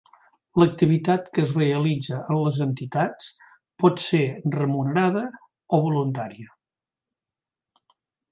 L'activitat que es realitza en les entitats pot ser remunerada o voluntària.